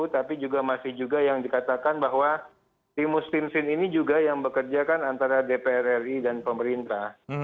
tapi juga masih juga yang dikatakan bahwa timus timsin ini juga yang bekerja kan antara dpr ri dan pemerintah